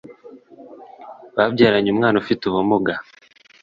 babyaranye umwana ufite ubumuga